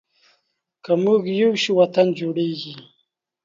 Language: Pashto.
که مونږ یو شو، وطن جوړیږي.